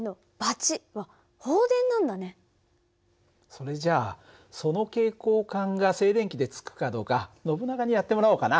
それじゃあその蛍光管が静電気でつくかどうかノブナガにやってもらおうかな。